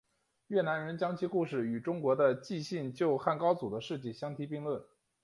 越南人将其故事与中国的纪信救汉高祖的事迹相提并论。